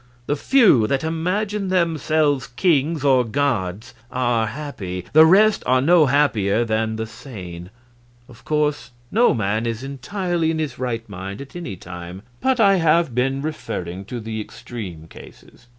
The few that imagine themselves kings or gods are happy, the rest are no happier than the sane. Of course, no man is entirely in his right mind at any time, but I have been referring to the extreme cases.